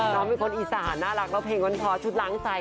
น้องมีคนอีสานน่ารักแล้วเพลงคนพอชุดหลังใจ